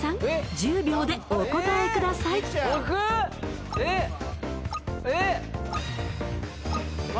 １０秒でお答えください僕？